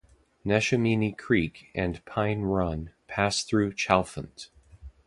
Neshaminy Creek and Pine Run pass through Chalfont.